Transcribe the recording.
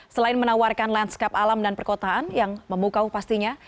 selain menawarkan landscape alam dan perkotaan yang memukau pastinya